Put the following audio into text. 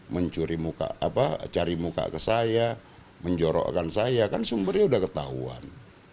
mencuri muka apa cari muka ke saya menjorokkan saya kan sumbernya udah ketahuan